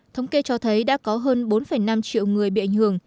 thống kê cho thấy đã có hơn bốn năm triệu người bị ảnh hưởng